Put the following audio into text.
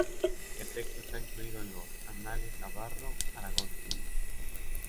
El texto está incluido en los "Anales navarro-aragoneses".